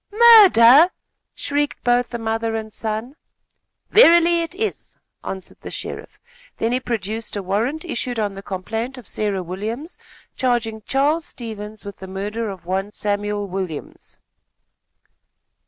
"Murder!" shrieked both the mother and son. "Verily, it is," answered the sheriff. Then he produced a warrant issued on the complaint of Sarah Williams, charging Charles Stevens with the murder of one Samuel Williams.